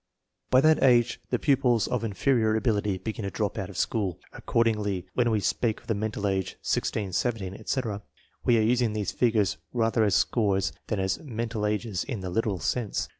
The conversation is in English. By that age the pupils of inferior ability begin to drop out of school. Accordingly, when we speak of the mental age, 16, 17, etc., we aie using these figure$.rather as scores than as mental ages in the literaf sense.